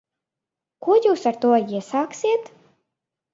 Ko jūs ar to iesāksiet?